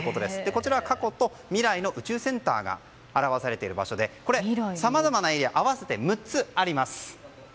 こちら過去と未来の宇宙センターが表されている場所でさまざまなエリア合わせて６つあります。